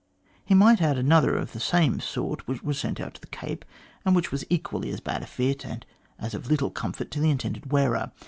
He might add another of the same sort, which was sent out to the Cape, and which was equally as bad a fit, and of as little comfort to the intended wearer.